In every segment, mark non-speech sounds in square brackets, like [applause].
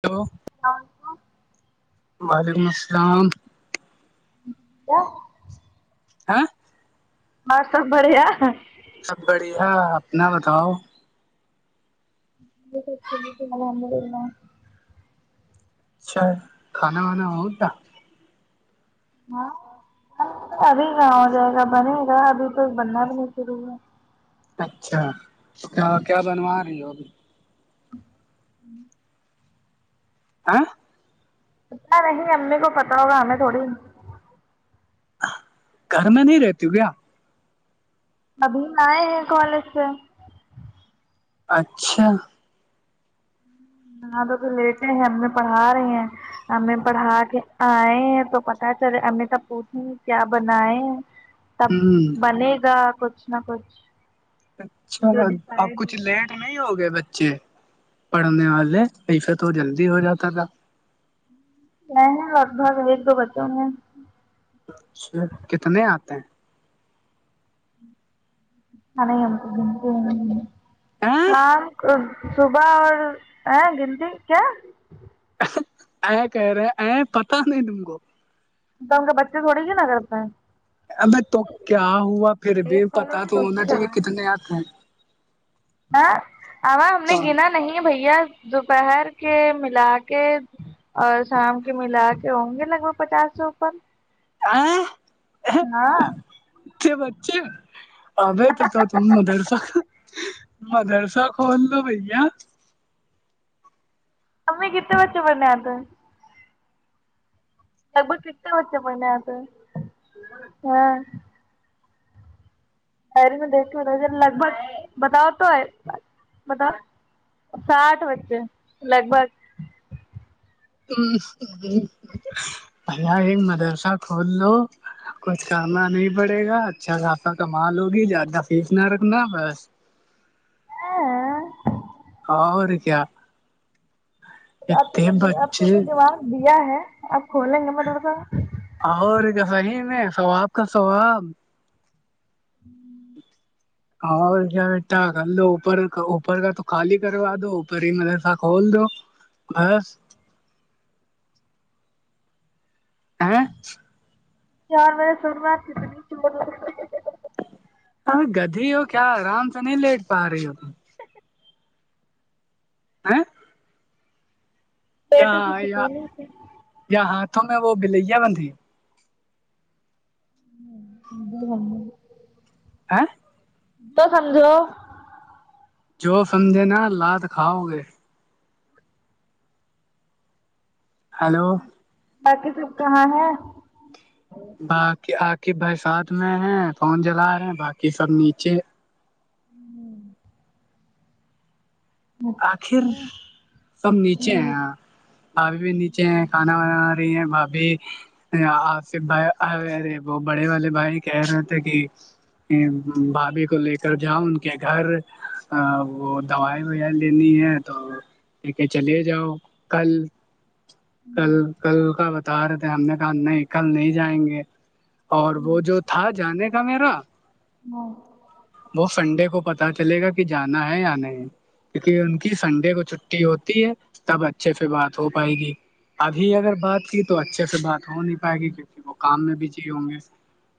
hello وعلیکم السلام کیا ہاں اور سب بڑھیا سب بڑھیا اپنا بتاؤ [inaudible] اچھا کھانا وانا ہوت ہ ابھی کا ہو جائے گا بنے گا ابھی تو بننا بھی نہیں شروع ہوا اچھا تو کیا کیا بنوا رہی ہو ابھی ہ [inaudible] آ [unintelligible] پتتا نہیں امی کو پتاہ ہوگا ہمیں تھوڑی گھر میں نہیں رہتی ہ کیا ابھی آئے ہیں کالج سے اچھا یہاں تو تو لیٹے ہیں ہم میں پڑھا رہے ہیں ہمیں پڑھا کے آئے تو پتاہ چلے ہمیں تب پوچی کیا بنائے ہ [unintelligible] تب بنے گا کچھ نہ کچھ اچھا جو اپ ڈیسائڈ کچھ ہوگا لیٹ نہیں ہوگئے بچے پڑھنے والے ایسے تو جلدی ہو جاتا تھا میں ہیں لگ بھگ ایک دو بچوں میں س کتنے آتے ہیں کے ہم گ ا شام صبح اور ہے گنتی کیا ا کہہ رہے ا پتا نہیں دنگو تو ہم کے بچے تھوڑی ہی نہ کرتے ہیں ابھی تو کیا ہوا پھر بھی پتا تو ہونا چاہیے کتنے آتے ہیں ہاں ا ہم نے گنا نہیں بھیا دوپہر کے ملا کے اور شام کے ملا کے ہوں گے لگ بھگ پچاس سو اوپر ہاں ہاںچ بچے آ تو تو تم مدرسہ مدرسا کھول لو بھیا امی کتتے بچے بننے آ تھا لگ بگ کتنے وچے پنے آ تو ہاں شری میں دیکھ کے ب لگ بھگ بتاؤ تو بتاؤ ساٹ وچچے لگ بھگ پیا ایک مدرسہ کھول لو کچھ کرنا نہیں پڑے گا اچھا زافہ کمال ل ہوگی زیادہ فیس نہ رکھنا بس اور کیا اب اتم تم نے اب تم بچے نے دماغ دیا ہے اب کھولیں گے مدرسہ اور کیا صحی میں ثواب کا ثواب ہوں اور کیا بیٹا کر لو اوپر کا اوپر کا تو خالی کروا دو پری مسا کھول دو بس آ [unintelligible] چار بجے سن میںات دنی چ ل ارے گدھی ہو کیا آرام سے نہیں لیٹ پا رہی ہو تم ہے [unintelligible] پیٹوں ہاں کی یا سکون ہی تھی یا ہاں تو میں وہ بلیا بندھی ہاں آ [unintelligible] تو سمجھو جو سمجھے نا لاد کھاؤ گے ہیلو باقی سب کہاں ہے باقی آخ برسات میں ہیں فون جلا رہے ہیں باقی سب نیچے آخر سب نیچے ہیں یہاں ااںپھی بھی نیچے ہیں کھانا وانا آ رہی ہیں وہاں بھی آپ سے بھائی ارے وہ بڑے والے بھائی کہہ رہے تھے کہ بھابھی کو لے کر جاؤ ان کے گھر وہ دوائیں یا لینی ہے تو لے چلے جاؤ کل کل کل کا بتا رہے تھے ہم نے کہا نہیں کل نہیں جائیں گے اور وہ جو تھا جانے کا میرا ہاں وہ سنڈے کو پتاہ چلے گا کہ جانا ہے یا نہیں کیونکہ ان کی سنڈے کو چھٹی ہوتی ہے تب اچھے سے بات ہو پائے گی ابھی اگر بات کی تو اچھے سے بات ہو نہیں پائے گی کیونکہ وہ کام میں بزی ہوں گے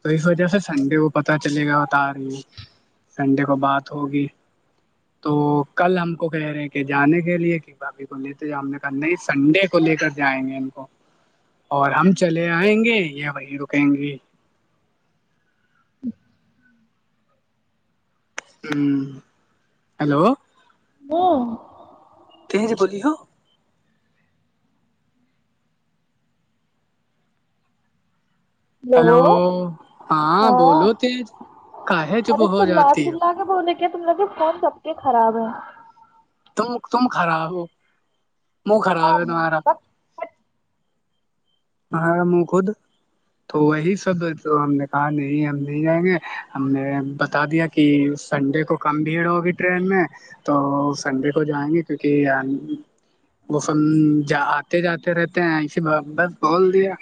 تو اس وجہ سے سنڈے کو پتہ چلے گا بتا آ رہی ہے سنڈے کو بات ہوگی تو کل ہم کو کہہ رہے ہیں کہ جانے کے لیے کہ باپی کو لیتے ہم نے کہا نہیں سنڈے کو لے کر جائیں گے اور ہم چلے آئیں گے یا وہیں رکیں گے ا ہوں ہیلو وہ کہ جی بولی ہو لوگو ہیلو ہاں بولو تیج کا ہے چپ ہو جاتی ہے دیکے تم لگ فون سب کے خراب ہے تم تم خراب ہو مہ خراب ہے تمہارا ہاں خود تو وہی سب تو ہم نے کہا نہیں ہم نہیں جائیں گے ہم نے بتا دیا کہ کہ سنڈے کو کم بھیڑ ہوگی ٹرین میں تو سنڈے کو جائیں گے کیونکہ وہ س آتے جاتے رہتے ہیں ایے بس بول دیا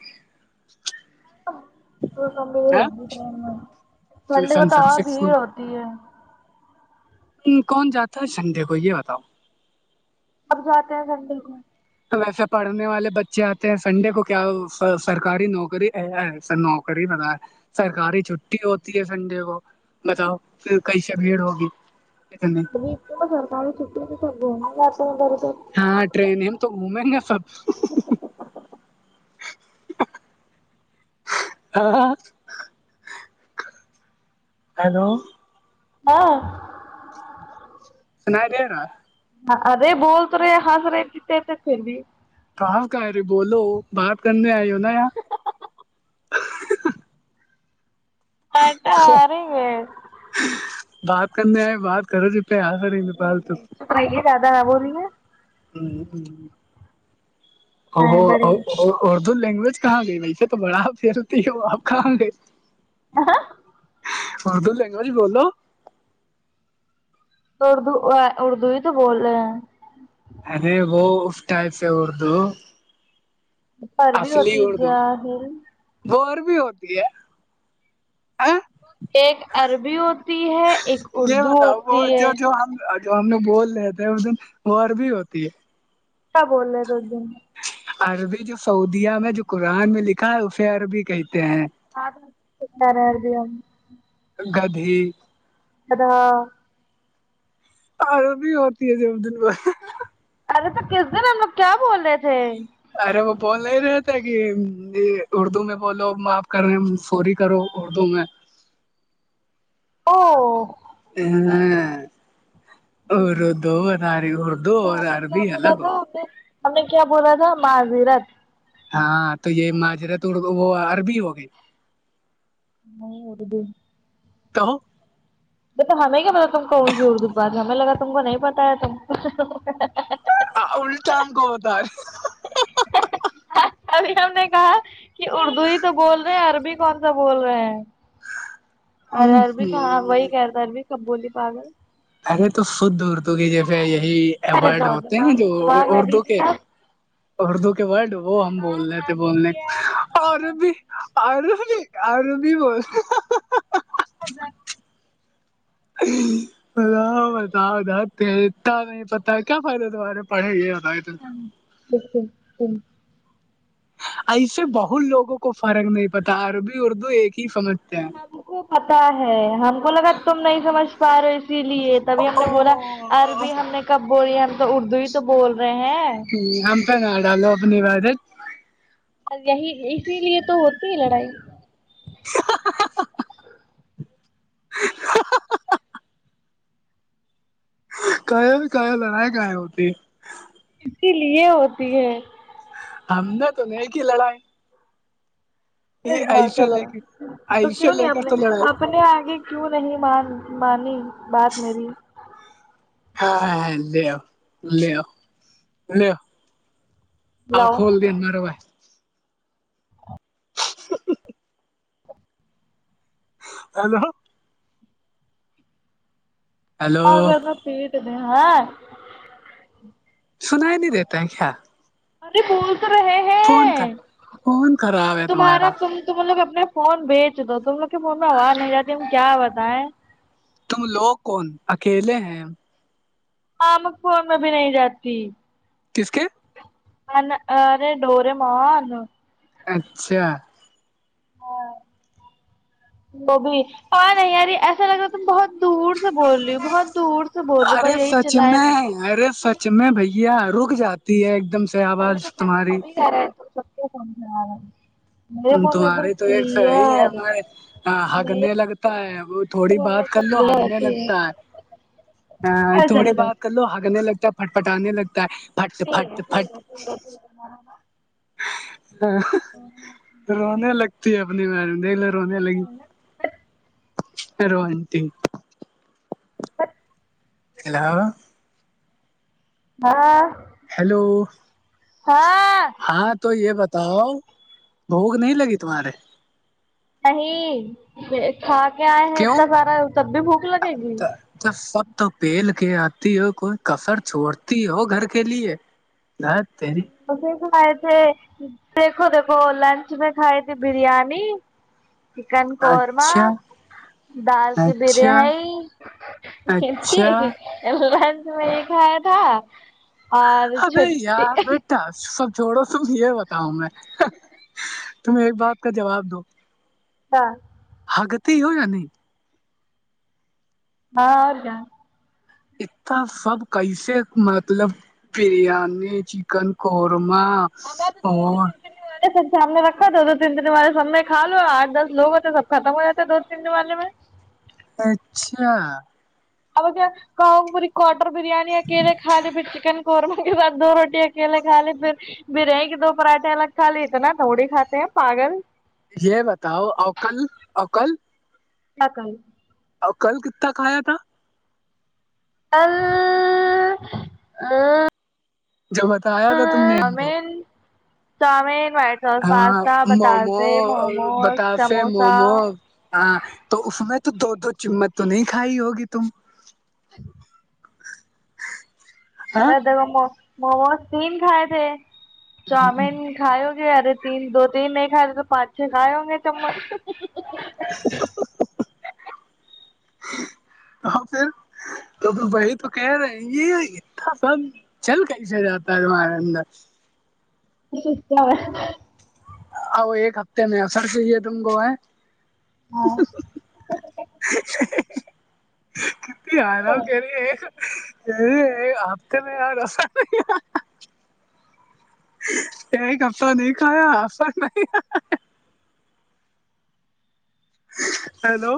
تو کم ہوگی ٹرین میں ٹھنڈی میں تو اور سکسیسفل بھیڑ ہوتی ہے کون جاتا ہے سنڈے کو یہ بتاؤ اب جاتے ہیں زڈل گ تو ویسے پڑھنے والے بچے آتے ہیں سنڈے کو کیا سرکاری نوکری کر ہی پت ہے سرکاری چھٹی ہوتی ہے سنڈے کو بتاؤ پھر کئی سےے بھیڑ ہوگی اتنے کرتا چٹی میں س گوم میں جاتا گ تو ٹرینیں ہم تو گھومیں گے سب ہاں ہیلو ہاں سنا دورا ادے بول تورے ہضر ا کت اتی تھی کہاں کہرے بولو بات کرنے آئی ہو نا اں آٹا آ بات کرنے آئے بات کرو ج پہ آسا رہیں گ بال تو بے دادا ہاں بول رہی ہیں ہاں اردو لینگویج کہاں گئی ویسے تو بڑا پھیلتی ہے وہ آپ کہاں گئے اردو لینگوجی بولو تو اردو اردو ہی تو بول رہے ہیں ارے وہ اس ٹائپ سے اردو عربی اصلی ہوتی ہے اردو جاہل وہ عربی ہوتی ہے ایک عربی ہوتی ہے ایک یہ اردو بتاؤ وہ ہوتی ہے جو جو ہم جو ہم لوگ بول رہے تھے وہ دن غور بھی ہوتی ہے کیا بول رہے ہے دو دن عربی جو سعودیہ میں جو قرآن میں لکھا ہے اسے عربی کہتے ہیں آپ رہا د ہم گدھی ا ہاں ارب بھی ہوتی ہے جے عد ال ب ارے توا کس دن ہم لوگ کیا بول رہے تھے ارے وہ بول نہیں رہتے کہ اردو میں بولو معاف کر رہے ہیں فوری کرو اردو میں او ہم ہ ار دو اور ار اردو اور نے کیا عربی بولا الگ ہو تھا ہم نے ہم نے کیا بولا تھا معزیرت ہاں تو یہ معاجرت وہ عربی ہو گئی ن ہود کہو ب تو ہمیں کیا پتا تم کون سی اردو بات ہمیں لگا تم کو نہیں پتا ہے تھ الٹام کوتا ہے ابھی ہم نے کہا کہ اردو ہی تو بول رہے ہیں عربی کون سا بول رہے ہیں ہاں ارے عربی کا ہاں وہی کہہ رہتا عربی کب بولی پاگل ارے تو شد اردو کی جیسے یہی ارے ایوارڈ جاؤ ہوتے ہیں دماغ جو دماغ نہ اردو دیجیے کے آپ اردو کے ورڈ وہ ہم بول رہے تھے بولنے دیجیے آپ اورب بھی اوررب آر بھی ب ہ جار ا ب بتاؤ اتنا نہیں پتا کیا فائد تمہارے پڑھے یہ بتائے ایک دین ایسے بہت لوگوں کو فرق نہیں پتا عربی اردو ایک ہی سمجھتے ہیں ہم کو پتا ہے ہم کو لگا تم نہیں سمجھ پا رہے اسی لیے تبھی ہم نے بولا او عربی ہم نے کب بولی ہم تو اردو ہی تو بول رہے ہیں ج ہماں نا ڈا لو اپنی بعد ا یہی اسی لیے تو ہوتی ہی لڑائی [inaudible] [inaudible] کا کہیا ل نہیں کا ہوتی اسی لیے ہوتی ہے ہم نے تو ن ہی لڑائی یہ جاؤ ایسے چلو لے کے تو ایسے کیوں نہیں لے آپ کر نے تو لڑائی اپپنے آگے کیوں نہیں مان مانی بات میری ہاں ہاں ل لے ل آ لاؤ کھول دین مارے بائی ہیلو ہیلو اگر میں پیٹ د ہے سن ہی نہیں دیتے ہیں کیا ارے پول تو رہے فون کر ہیں فون کرو ا تمہارا تم لوگ اپنے فون بھی بیچ دو تم لوگ کے مون میں آواز نہیں جاتی تم کیا بتائیں تم لوگ کون اکیلے ہیں آمک پور میں بھی نہیں جاتی کس کے ارے ڈوریمون اچھا ہاں وہ بھیھی پ نہیں یاری ایسا لگ رہتا تم بہت دور سے بول رہی ہو بہت دور سے بول رہی ہووں ارے بس یہی سچ چلایا میں کرتے ہیں ارے سچ میں بھیا رک جاتی ہے ایک دم سے ابھی آواز تمہاری توبھی کہ رہے ہیں تو سب کر رہا تمہارے تو ایک صحیح ہے ہمارے ہگنے لگتا ہے وہ تھوڑی بات کر لو کلیئر ہگنے آتی ہے لگتا ہے ارے تھوڑی چلو بات جاؤ لو ہگنے لگتا ہے پٹ پٹانے لگتا ہے پٹ سے پھٹ پھٹ ہاں رونے لگتی اپنی مار دیک لو رونے لگی روتی [unintelligible] ہیلو ہاں ہیلو ہاں ہاں تو یہ بتاؤ بھوک نہیں لگی تمہارے نہیں کھا کے آئے کیوں ہیںتنا سارا تب بھی بھوک لگے گی جب سب تو پھیل کے آتی ہو کوئی کسر چھوڑتی ہو گھر کے لیے نہ تری کسے ہے تھ دیکھو دیکھو لنچ میں کھائی تھی بریانی چکن قورما اچھا دال کی اچھا بریانی اچھا لنچ میں یہ کایا تھا اور ابھی یار چھٹی بیٹا سب جوڑو تم یہ بتاؤ میں تمہیں ایک بات کا جواب دو ہاں حگتے ہی ہو نہیں ہاں اور جاناں اتنا سب کییسے مطلب بریانی چکن قورمہ ہم تو دوود اور نے سب سامنے رکھا تھا دو تین دن والے سامنے کھ لوا آٹ دس لو ہوتے سب ختم ہو جاتے دو تین دن والے میں اچھا اب کوم پور کواٹر بریانی آکے خالی پ چن قورمہ کے بعد دو روٹی اکیلے کھا لی پھر بریئی کے دو پراٹھے الگ کھا لیے اتنا دوڑی کھاتے ہیں پاگل یہ بتاؤ اوکل اوکل کن اور کل کت تک آیا تھا ہاں جو بتایا تھا تم نے ہم کو توامین ہاں مومو موموز بتاس سموسا مومو ہاں تو اس میں تو دو دو چمت تو نہیں کھائی ہوگی تم ہاں دیک موموز تین کھائے تھے چاؤمین کھائے گے ارے تین دو تین نہیں کھائےے تو پانچ چھ کھائے ہ گے چمچ تو پھر تو بھائی تو کہہ رہے یہ اتنا سب چل کرسے جاتا ہے تمہارے اندر سچ اور او ایک ہفتے میں سر چاہیے تم کو ہے [inaudible] ہاں بھی آ رہا ہوں کہرییے آپ کے میں رس نہیں کہہ رہے ہیں ہفتہ نہیں کھایا نہیں ہیلو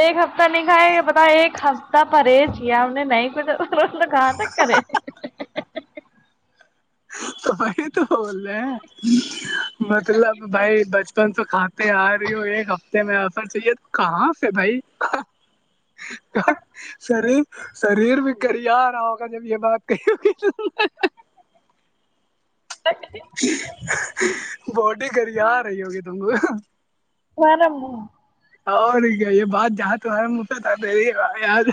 ایک ہفتہ نہیں کھائے پتا ایک ہفتہ پرہیز کیا ہم نے نہیں کچھ کہاں تک کرے [inaudible] تو وہی تو بول رہے ہیں مطلب بھائی بچپن تو کھاتا آ رہی ہو ایک ہفتے میں اثر چاہیے تو کہاں سے بھائی شریر شریر بھی گریا رہا ہوگا جب یہ [inaudible] [inaudible] باڈی کر آ رہی ہوگی تم کو ورم اور کیا یہ بات جہاں تو ہے مجھے تھا مری یاد